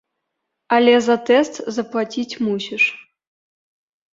Але за тэст заплаціць мусіш.